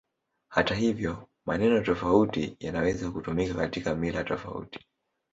Hata hivyo, maneno tofauti yanaweza kutumika katika mila tofauti.